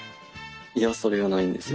いやそれがないんですよ。